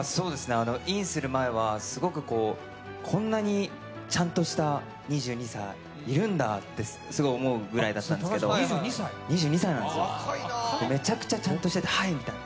インする前はこんなにちゃんとした２２歳いるんだとすごい思うぐらいだったんですけど、そう、２２歳なんですよ、めちゃくちゃちゃんとしてて「はい」みたいな。